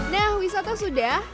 nah wisata sudah